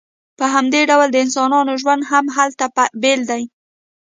په همدې ډول د انسانانو ژوند هم هلته بیل دی